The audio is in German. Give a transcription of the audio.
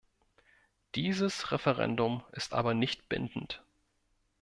Dieses Referendum ist aber nicht bindend.